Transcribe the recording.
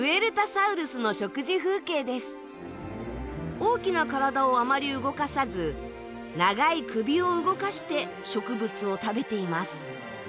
大きな体をあまり動かさず長い首を動かして植物を食べています。